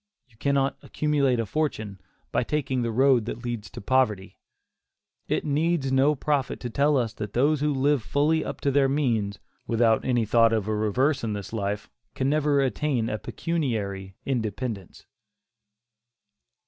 You cannot accumulate a fortune by taking the road that leads to poverty. It needs no prophet to tell us that those who live fully up to their means, without any thought of a reverse in this life, can never attain a pecuniary independence.